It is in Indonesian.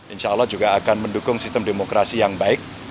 insya allah juga akan mendukung sistem demokrasi yang baik